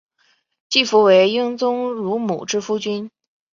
季福为英宗乳母之夫君。